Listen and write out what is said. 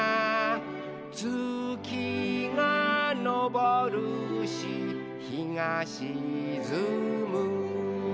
「つきがのぼるしひがしずむ」